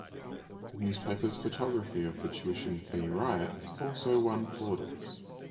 The newspaper's photography of the tuition fee riots also won plaudits.